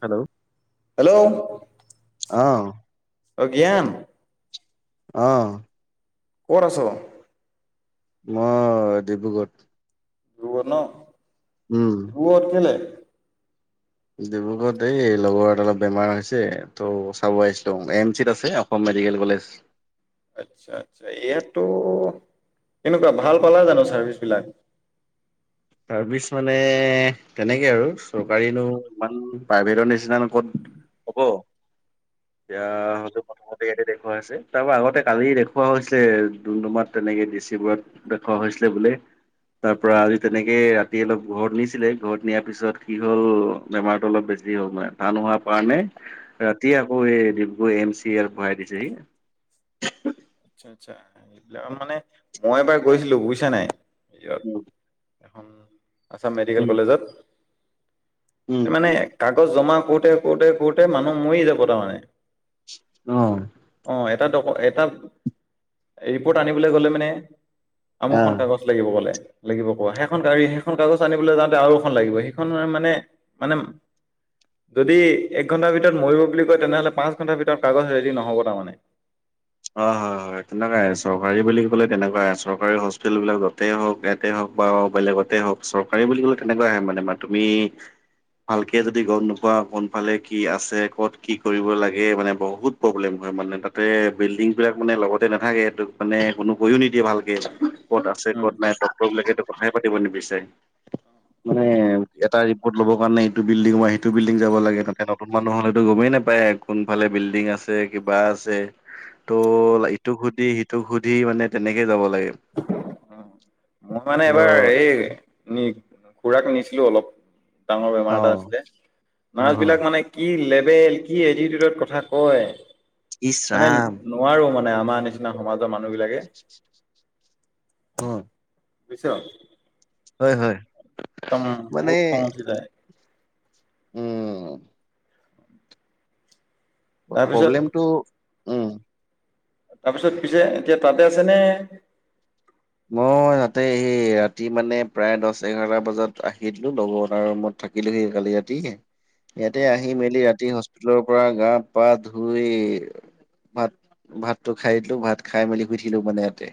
Hello hello অ অ জ্ঞান অহ। কত আছ। মই ডিব্ৰুগড়। দুত ন। দুত কেলে? ডিব্ৰুগড়ত দ লগৰ অলপ বেমাৰ হৈছে ত' চাব আহিছিলো এম চিত আছে অসম মেডিকেল কলেজ। আচ্ছা আচ্ছা ইয়াতো কেনেকুৱা ভাল পালা জানো চাৰ্ভিচবিলাক। চাৰ্ভিচ মানে তেনেকে আৰু চৰকাৰীনো ইমান প্ৰাইভেটৰ নিচিননা ক'ত হ'ব। অ এতিয়ালে পথা। ইয়াতে দেখুুৱা হৈছে। তাৰ পৰা আগতে কালি দেখুুৱাছিলে ডুমডুমাত তেনেকে ডিচি বোৰত দেখুওাছিলে বোলে। তাৰ পৰাৰা আজি তেনেকে ৰাতি অলপ ঘৰত নিছিলে ঘৰত নিয়াৰ পিছত কি হ'ল বেমাৰতটো অলপ বেছি হ'লান টান হোৱাৰ কাৰণে ৰাতিয়ে আকৌ এই ডিব্ৰুগড় এম চি এ ভৰাই দিছেহি। আচা আচ্ছা এইবিলাক মানে মই এবাৰ গৈছিলো বুজিছা নাই। উম। ভাল। আছাম মেডিকেল উম কলেজত। উম মানে কাক। কাকজ জমা কৰোতে কৰোতে কৰোতে মানুহ মৰি যাব তাৰমানে। অহ। তাত এটা। ৰিপৰ্ট আনিবলৈ গ'লে মানে। অ আমুকখন কাগজ লাগিব কলে। লাগিব কয়, সেইখন কাই সেইখন কাগজ আনিবলৈ যাওঁতে আৰু এখন লাগিব, সেইখনো আৰ‌ মানে, মানে যদি এক ঘন্টাৰ ভিতৰত মৰিব বুলি কয়, তেনেহ'লে পাঁচ ঘন্টাৰ ভিতৰত কাগজ ৰেডি নহ'ব তাৰমানে। অ হয় হয়। তেনেকুৱাই আৰু। চৰকাৰী বুলি ক'লে তেনেকুৱাই, চৰকাৰী হস্পিতেেল বিলাক যতেই হওক, ইয়াতে হওক বা বেলেগতে হওক চৰকাৰী বুলি কলে তেনেকুৱাই হয় মানে তুমি ভালকে যদি গম নোপোৱা কোনফালে কি আছে, ক'ত কি কৰিব লাগে, মানে বহুত প্ৰব্লেম হয় মানে তাতে। বিল্ডিং বিলাক মানে লগতে নাথাকে, এইটো মানে কোনো কৈও নিদিয়ে ভালকে। ক'ত আছে, উম, ক'ত নাই ক'ত। কথাই পাতিব নিবিচাৰে। মানে এটা ৰিপৰ্ট ল'ব কাৰণে ইটো বিল্ডিং বা সিটো বিল্ডিং যাব লাগে, তাতে নতুন মানুহ হলেতো গমেই নাপায় কোনফালে বিল্ডিং আছে কিবা আছে। ত' ইটোক সুধি সিটোক সুধি মানে তেনেকে যাব লাগে। মই মানে ল এবাৰ এই। খুৰাক নিছিলো অলপ। ডাঙৰ বেমাৰ অ এটা আছিলে, অ নাৰ্ছ বিলাক মানে কি। এ কি এটিটিউডত কথা কয়! ইচ মানে ৰাম নোৱাৰো মানে আ। মাৰ নিচিনা সমাজৰ মা। মানুহ বিলাকে। উম। পিছ। হয় হয়। মানে। বহুত খং উঠি যায়। উম তাৰপিছত প্ৰব্লেমটো উম তাৰপিছত পিছে এতিয়া তাতে আছেনে? মই তাতে সেই ৰাতি মানে প্ৰায় দছ এঘাৰটা বজাত আহি দিলো, লগৰ এটাৰ ৰূমত থাকিলোহি কালি ৰাতি ইয়াতে আহি মেলি ৰাতি হচ [unintelligible] লৰ পৰা গা পা ধুই ভাত ভাতটো খাই দিলো, ভাত খাই মেলি শুই থাকিলো মানে ইয়াতে।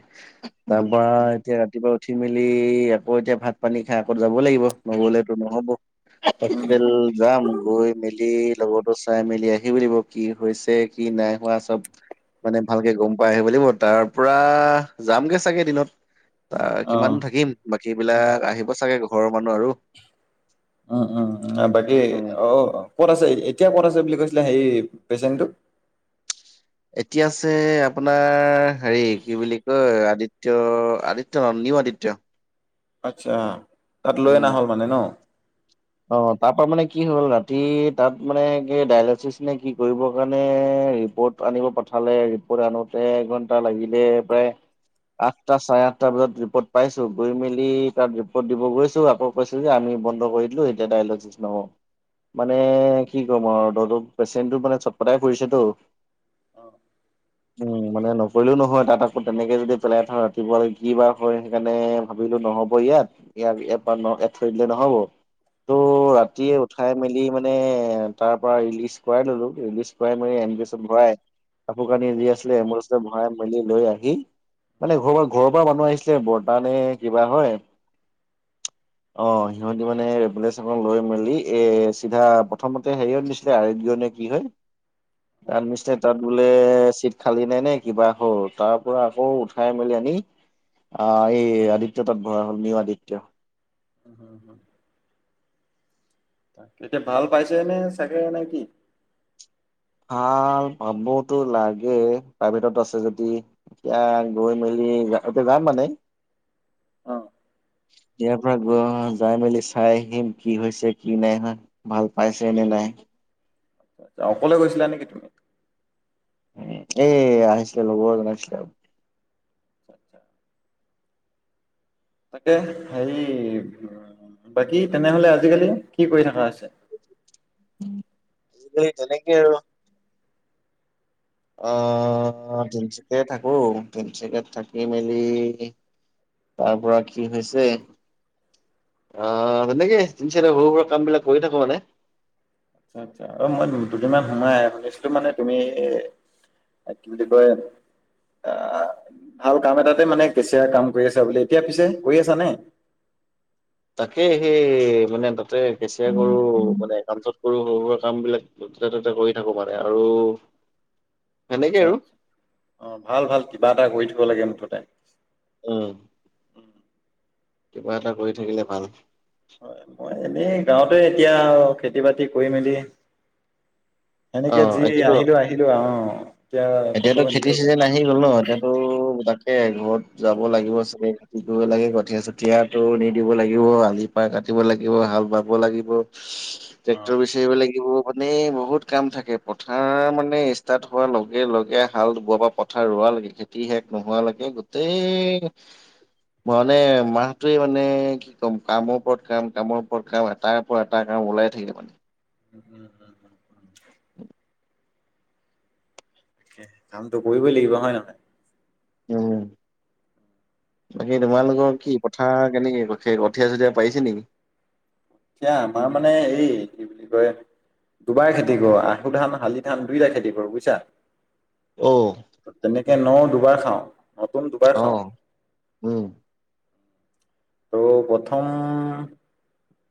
তাৰপা এতিয়া ৰাতিপুৱা উঠি মেলি আকৌ এতিয়া ভাত পানী খাই আকৌতো যাব লাগিব, নগলেতো নহ'ব। উম, হস্পিটেল যাম, গৈ মেলি লগৰটো চাই মেলি আহিব লাগিব কি হৈছে, কি নাই হোৱা, চব মানে ভালকে গম পাই আহিব লাগিব। তাৰ পৰা যামগে চাগে দিনত তা কিমান অ'। থাকিম? বাকী বিলাক আহিব চাগে ঘ ঘৰৰ মানুহ আৰু। উম উম আও বাকী উম অ ক'ত আছে এ এত- এতিয়া ক'ত আছে বুলি কৈছিলা হেই পেচেণ্টটো? এতিয়া আছে আপোনাৰ হেৰি, কি বুলি কয় আদিত্য, আদিত্য নয়, নিউ আদিত্য। আচ্ছা। তাত লৈ অনা উম হল মানে ন? অ তাৰ পৰাা মানে কি হ'ল ৰাতি তাত মানে কি ডায়লিচিচ নে কি কৰিবৰ কাৰণে ৰিপৰ্ট আনিব পঠালে ৰিপৰ্ট আনোতে এঘন্টা লাগিলে প্ৰায় আঠটা চাৰে আঠটা বজাত ৰিপৰ্ট পাইছো গৈ মেলি তাত ৰিপৰ্ট দিব গৈছো আকৌ কৈছো যে আমি বন্ধ কৰি দিলো এত- এতিয়া ডায়লচিচ নহ'ব মানে কি কম আৰু ত পেচেণ্টটো মানে চটপটাই ফুৰিছেতো উ মানে নকৰিলেও নহয় তাত আকৌ তেনেকে যদি পেলাই থ ৰাতিপুৱালে কি বাাৰ হয় সেইকাৰণে ভাবিলো নহব ইয়াত ইয়াক এপ থৈ দিলে নহব। ত ৰাতিয়ে উঠাই মেলি মানে তাৰ পৰা ৰিলিজ কৰাই ললো। ৰিলিজ কৰাই মেলি এম্বুলেঞ্চত ভৰাই কাপোৰ কানি যি আছিলে এম্বুলেঞ্চত ভৰাই মেলি লৈ আহি মানে ঘৰ পৰা ঘৰৰ পৰা মানুহ আহিছিলে বৰতা নে কিবা হয় অ সিহঁতি মানে এম্বুলেঞ্চ খন লৈ মেলি এ চিধা প্ৰথমতে হেৰিয়ত নিছিলে আৰোগ্য নে কি হয় তাত নিছিলে তাত বোলে চিট খালি নাই নে কিবা হ'ল তাৰ পৰা আকৌ উঠাই মেলি আনি আহ এই আদিত্য তাত ভৰা হ'ল নিউ আদিত্য উম হম হুম তাকে এতিয়া ভাল পাইছে নে চাগে নে কি? ভাল পাবতো লাগে প্ৰাইভেটত আছে যদি এতিয়া গৈ মেলি এতিয়া যাম মানে অ ইয়াৰ পৰা গৈ যাই মেলি চাই আহিম কি হৈছে কি নাইহোৱা ভাল পাইছে নে নাই। অকলে গৈছিলা নেকি তুমি? এই আহিছিল লগজন আছিল আৰু তাকে হেৰি বাকী তেনেহলে আজিকালি কি কৰি থাকা হৈছে? এই তেনেকৈ আৰু আহ তিনিচুকীয়া থাকো তিনিচুকীয়াত থাকি মেলি তাৰ পৰা কি হৈছে আহ তেনেকে তিনিচুকীয়া সৰু সুৰা কাম বিলাক কৰি থাকো মানে। আচ্ছা আচ্ছা অ মই দুদিনমান সোমাই শুনিছিলো মানে তুমি কি বুলি কয় ভাল কাম এটাতে মানে কেচিয়া কাম কৰি আছা বুলি এতিয়া পিছে কৰি আছানে? তাকে সেই মানে তাতে কেচিয়াৰ কৰো মানে একাউছত কৰো সৰু সুৰা কাম বিলাক যতে ততে কৰি থাকো মানে আৰু সেনেকে আচ্ছা আৰু আচ্ছা অ ভাল ভাল কিবা এটা কৰি থকা দিব লাগে মুঠতে উমহ কিবা এটা কৰি থাকিলে ভাল হয় মই এনেই গাঁৱতে এতিয়া খেতি বাতি কৰি মেলি সেনেকে অ', যি এতিয়াতো আহিলো আহিলো আও অ এতিয়া ক'তো এতিয়াতো খেতি এনেকে ওলাই চিজন যোৱা আহি নাই। গ'ল ন এতিয়াতো তাক এ ঘৰত যাব লাগিব চাগে কি কৰিব লাগে কঠীয়া চঠীয়াটো নিদিব লাগিব, আলি পাৰ কাটিব লাগিব, হাল বাব লাগিব অ ট্ৰেক্টৰ বিচাৰিব লাগিব মানে, বহুত কাম থাকে। পথাৰ মানে ষ্টাৰ্ট হোৱাৰ লগ লগে লগে হাল বোৱা পৰা পথাৰ ৰোৱা লৈকে, খেতি শেষ নোহোৱা লৈকে। গোটেই মানে, মাহটোৱে মানে কি ক'ম কামৰ ওপৰত কাম, কামৰ ওপৰত কাম, এটাৰ ওপৰত এটা কাম ওলাই থাকে মানে। [unintelligible] [inaudible] কামটো কৰিবই লাগিব হয় নহয়। উম! বাকী এতিয়া তোমালোকৰ কি? পথাৰ কেনেকে কঠীয়া চঠিয়া পাৰিছে নেকি? এতিয়া আমাৰ মানে, এই কি বুলি কয়, দুবাৰ খেতি কৰোঁ আহু ধান, শালি ধান দুইটাই খেতি কৰোঁ বুজিছা। অ'! এতিয়া ন দুবাৰ খাওঁ। নতুন দুবাৰ খাওঁ অ'! উম! ত' প্ৰথম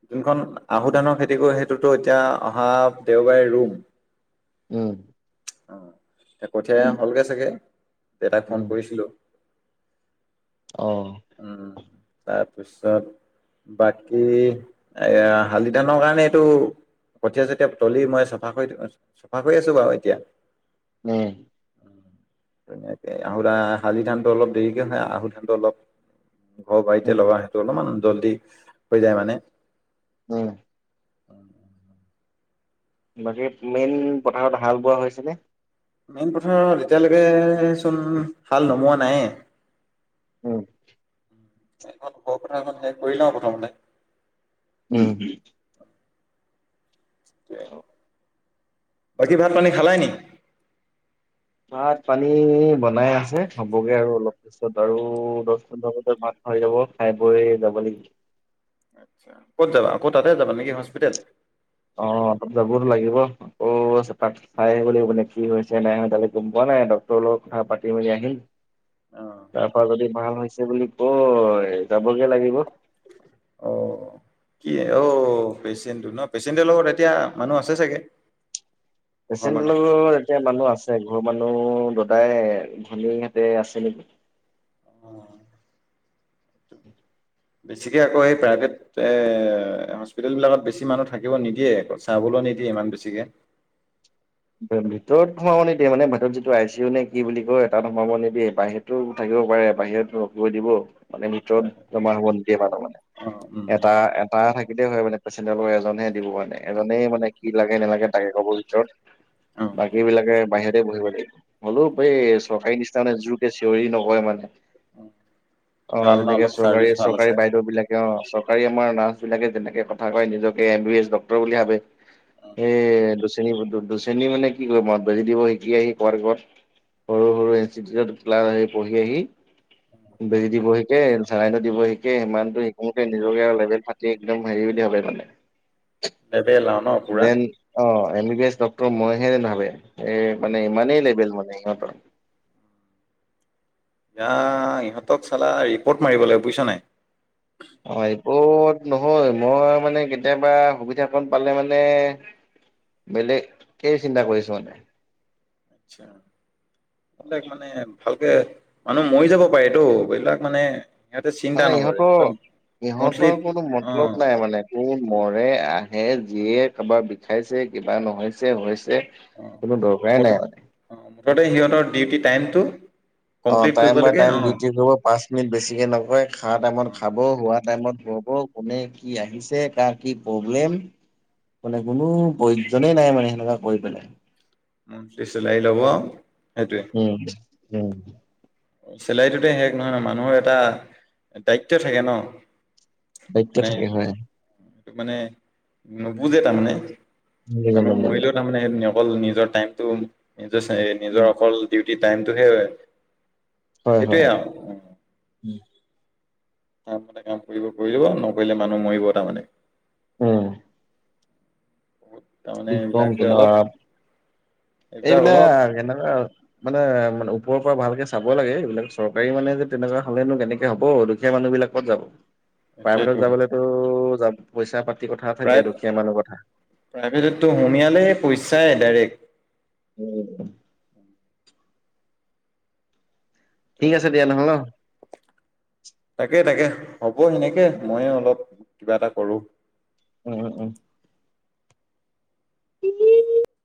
যোনখন আহু ধানৰ খেতি কৰোঁ, সেইটোতো এতিয়া অহা দেওবাৰে ৰোম। উম! অ'! এ কঠিয়াই হ'লগৈ চাগে। দেউতাক ফোন উম, কৰিছিলোঁ। অ'! তাৰপিছত। বাকী এইয়া, শালি ধানৰ কাৰণে, এইটো কঠিয়া- চঠিয়া তলি মই চফা কৰি, চফা কৰি আছোঁ বাৰু এতিয়া। উম! [unintelligible] আহু ধান, শালি ধানটো অলপ দেৰিকে হয়। আহু ধানটো অলপ ঘৰ বাৰিতে উম, লগা সেইটো অলপমান জল্দি হৈ যায় মানে। উম! [unintelligible] বাকী মেইন পথাৰত হাল বোৱা হৈছেনে? মেইন পথাৰত, এতিয়ালৈকেচোন হাল নোমোৱা নাই। উম! এইখন ঘৰ পথাৰখন শেষ কৰিলা প্ৰথমতে? উম! [unintelligible] বাকী, ভাত পানী খালায় নি? ভাত পানী বনাই আছে হ'বগে আৰু অলপ পিছত আৰু দহ, পোন্ধৰ ভিতৰত ভাত হৈ যাব। খাই বৈ যাব লাগি ক'ত যাবা? আকৌ তাতে যাবা নেকি হস্পিতাল? অ' অলপ যাবটো লাগিব। আকৌ তাত চাই আহিব লাগিব। কি হৈছে, নাই গম পোৱা নাই। ডক্টৰৰ লগত কথা পাতি মেলি আহিম। অ'। তাৰপা যদি ভাল হয় আছে বুলি কয় [unintelligible] বগে লাগিব। অ', কি অঔ পেচেণ্টটো ন? পেচেণ্টৰ লগত এতিয়া মানুহ আছে চাগে, ঘৰৰ পেচেণ্টো মানুহ। লগত এতিয়া মানুহ আছে। ঘৰৰ মানুহ দাদাই ভনীহেঁতে আছে নেকি। অ উ [inaudible] বেছিকে আকৌ সেই প্ৰাইভেট এ হস্পিটেলবিলাকত বেছি মানুহ থাকিব নিদিয়ে। আকৌ চাবলৈ নিদিয়ে ইমান বেছিকে। ভিতৰত সোমাব নিদিয়ে মানে ভিতৰত যিটো আই চি ইউ নে কি বুলি কয় তাত সোমাব নিদিয়ে বাহিৰতো থাকিব পাৰে বাহিৰতো ৰখিব দিব। মানে ভিতৰত জমা হ'ব নিদিয়ে মানুহ মানে। অ', উম, এটা এটা থাকে হয় মানে পেচেণ্জাৰ লগ এজনহে দিব মানে। এজনেই মানে কি লাগে নেলাগে তাকে ক'বৰ ভিতৰত অ', বাকীবিলাকে বাহিৰতে বহিব লাগিব। হলো এই চৰকাৰী নিচিনা মানে জোৰকে চিঞৰি নকয় মানে। অ ভাল ন যেনেকে অলপ চৰকাৰী চাৰ্ভিচ ভাল চৰকাৰী আছে বাইদেউ বিলাকে অ চ- ৰী আমাৰ নাৰ্চ বিলাকে যেনেকে কথা কয়, নিজকে এম বি এছ ডক্টৰ বুলি ভাবে। স দুচিনী সু দু শ্ৰেণী মানে কি ক ম বেজি দিব শিকি আহি কত কত সৰু সৰু ইনিউত ক্লাছ আহ পঢ়ি আহি, বেজি দিব শিকে, চেলাইনতো দিব শিকে, সিমানটো শিকোতে নিজে আৰু লেভেল ফাটি একদম হেই বুলি ভাবে মানে লেবেল লাও ন পুৰা। দেন অ এম বি বি আছ ডক্ ত মইহে ভাবে এ মানে ইমানেই লেভেল মানে। [inaudible] দা ইহঁতক চালা ৰিপৰ্ট মাৰিব লাগিব বুজিছ নাই, অ ৰিপত নহয়, মই মানে কেতিয়াবা সুবিধাাকণ পালে মানে বেলেগে চিন্তা কৰিছো মানে। আচ্ছা এইবিলাক মানে, ভালকে মানুহ মৰি যাব পাৰেটো। এইবিলাক মানে সিহঁতে চিন্তা মানে নকৰে ইহঁতৰ একদম মুঠলি ইহঁতৰ কোনো মতলব অ'। নাই মানে কোন, মৰে, আহে, যিয়ে, কাৰোবাৰ বিষাইছে, কিবা নহৈছে, যে কোনো দৰকাৰাই নাই মানে। আগতে সিহঁতৰ ডিউটি টাইমটো, অ কমপ্লিট টাইম কৰিব বাই লাগে টাইম অ ডিউটি কৰিব, পাঁচ মিনিট বেছিকে নকয়, খা অ টাইমত খাব, সোৱাদ টাইমত শুব। কোনে কি আহিছে, কাৰ কি প্ৰব্লেম, মানে কোনো প্ৰয়োজনে নাই মানে সেনেকোৱা। ক‌ই পেলাই মন্ঠলি চিলাৰি ল'ব, উম উম চেলাৰিটোতে শেষ নহয় ন, মানুহৰ এটা দায়িত্ব থাকে ন দায়িত্ব মানে থাকে হয়। সেইটো মানে নুবুজে তাৰমানে মানুহ মৰিলেও তাৰমানে সেইটো নিয়ম অকল নিজৰ টাইমটো নিজৰ চা নিজৰ অকল দিউতি যি টাইমটো সে হয় হয় তাৰ মতে কাম কৰিব কৰিব নকৰিলে মানুহ মৰিব তামানে উম বহুত তাৰমানে কি কম এইবিলাক যে কেনকা আৱ অলপ তাত এইবিলাক এনকা মানে মানে ওপৰৰ পৰা ভালকে চাব লাগে এইবিলাক চৰকাৰী মানে যে তেনেকুৱা হ'লেনো কেনেকে হ'ব দুখীয়া মানুহ বিলাক ক'ত যাব প্ৰাইভেটত এইটোৱেটো যাবলেতো পইচা পাতি কথা থাকে প্ৰায় দুখীয়া মানুহ প্ৰাইভেটতো সোমিয়ালে পইচা চায় ডাইৰেক্ উম ঠিক আছে দিয়া নহ'লে ন তাকে তাকে হ'ব সেনেকে ময়ে অলপ কিবা এটা কৰোঁ উ উম উম ইলি ইলি